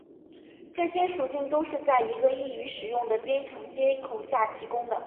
这些属性都是在一个易于使用的编程接口下提供的。